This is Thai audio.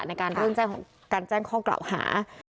ในการเรื่องแจ้งของการแจ้งข้อเกราะหา